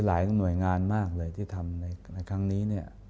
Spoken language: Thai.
หลายหน่วยงานมากเลยที่ทำในครั้งนี้เนี่ย